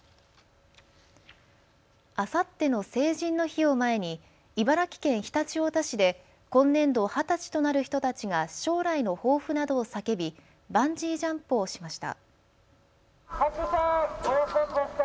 あさっての成人の日を前に茨城県常陸太田市で今年度二十歳となる人たちが将来の抱負などを叫びバンジージャンプをしました。